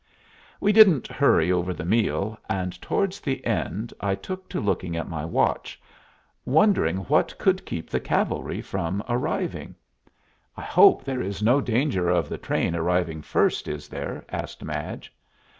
We didn't hurry over the meal, and towards the end I took to looking at my watch, wondering what could keep the cavalry from arriving. "I hope there is no danger of the train arriving first, is there?" asked Madge.